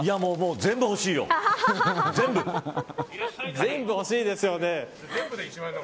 全部欲しいですよね。